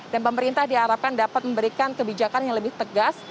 dan pemerintah diharapkan dapat memberikan kebijakan yang lebih tegas